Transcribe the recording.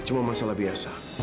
cuma masalah biasa